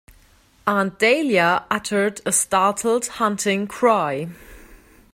Aunt Dahlia uttered a startled hunting cry.